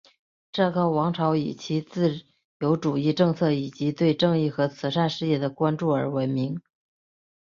这个王朝以其自由主义政策以及对正义和慈善事业的关注而闻名。